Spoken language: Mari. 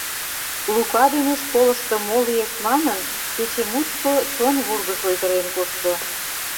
Лука дене школышто мо лиеш манын, кече мучко чон вургыж ойгырен кошто.